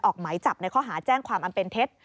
ออกไหมจับในข้อหาแจ้งความอำเต็ด